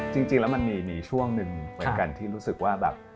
จริงแล้วมีช่วงหนึ่งมีรู้สึกว่า